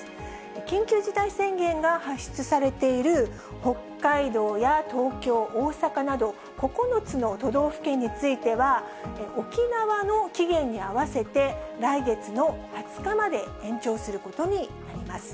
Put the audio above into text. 緊急事態宣言が発出されている北海道や東京、大阪など、９つの都道府県については、沖縄の期限に合わせて、来月の２０日まで延長することになります。